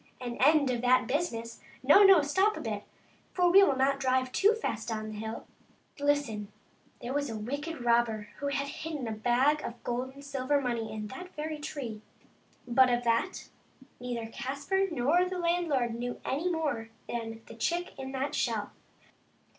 An end of that business? No, no; stop a bit, for we will not drive too fast down the hill. Listen : there was a wicked robber who had hidden a bag of gold and silver money in that very tree ; but of that neither Caspar nor the landlord knew any more than the chick in the shell.